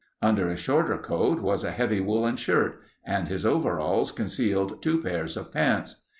Under a shorter coat was a heavy woolen shirt and his overalls concealed two pairs of pants.